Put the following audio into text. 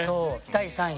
第３位。